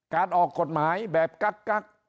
การออกกฎหมายแบบกั๊กกั๊ก